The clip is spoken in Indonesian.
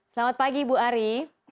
selamat pagi ibu ari